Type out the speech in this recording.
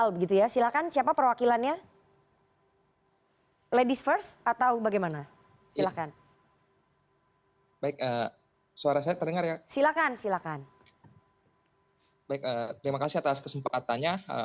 baik terima kasih atas kesempatannya